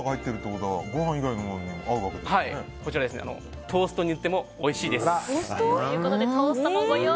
こちらはトーストに塗ってもおいしいです。